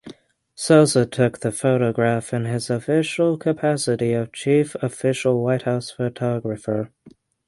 Souza took the photograph in his official capacity of Chief Official White House Photographer.